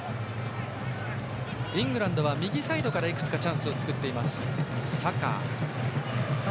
イングランドは右サイドからいくつかチャンスを作っています。